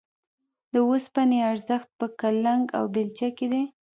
د اوسپنې ارزښت په کلنګ او بېلچه کې دی